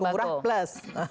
sembako murah plus